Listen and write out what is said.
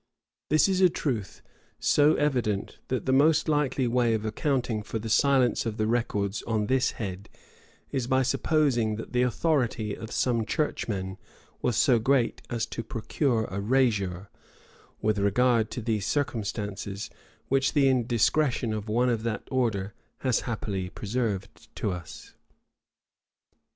This is a truth so evident, that the most likely way of accounting for the silence of the records on this head, is by supposing that the authority of some churchmen was so great as to procure a razure, with regard to these circumstances, which the indiscretion of one of that order has happily preserved to us.